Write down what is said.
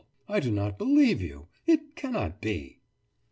I do not believe you. It cannot be.